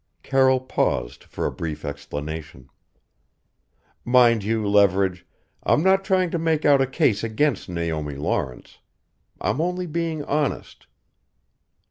Carroll paused for a brief explanation. "Mind you, Leverage I'm not trying to make out a case against Naomi Lawrence I'm only being honest.